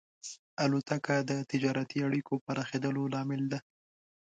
الوتکه د تجارتي اړیکو پراخېدلو لامل ده.